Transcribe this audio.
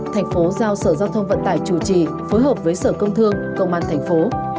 tp hcm giao sở giao thông vận tải chủ trì phối hợp với sở công thương công an tp hcm